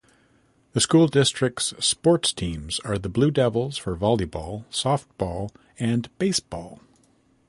The school district's sports teams are the Blue Devils for volleyball, softball, and baseball.